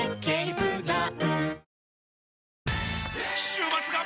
週末が！！